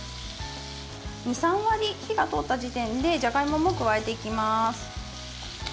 ２３割、火が通った時点でじゃがいもも加えていきます。